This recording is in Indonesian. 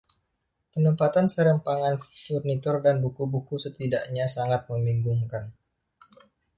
penempatan serampangan furnitur dan buku-buku setidaknya sangat membingungkan.